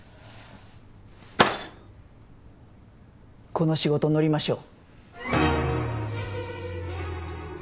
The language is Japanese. この仕事乗りましょう。